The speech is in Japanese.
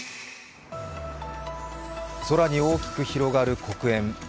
空に大きく広がる黒煙。